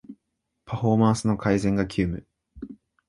パフォーマンスの改善が急務